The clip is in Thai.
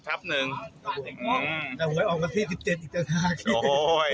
อ๋อแต่หน่วยออกนักที่๑๗อีกต่างหาก